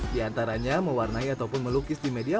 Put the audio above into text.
di antaranya mewarnai ataupun melukis jenis satwa